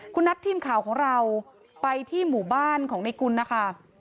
คุณนัททีมข่าวของเราไปที่หมู่บ้านของในกุลนะคะ